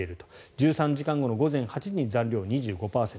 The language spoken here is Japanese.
１３時間後の午前８時に残量２５％。